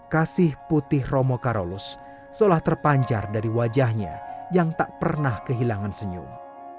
kasih putih romo karolus seolah terpancar dari wajahnya yang tak pernah kehilangan senyum